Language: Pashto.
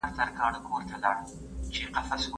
نه په طبیب سي نه په دعا سي